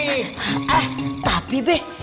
eh tapi be